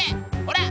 ほら！